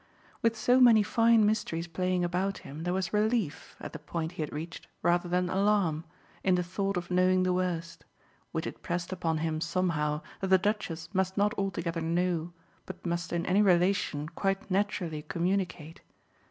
With so many fine mysteries playing about him there was relief, at the point he had reached, rather than alarm, in the thought of knowing the worst; which it pressed upon him somehow that the Duchess must not only altogether know but must in any relation quite naturally communicate.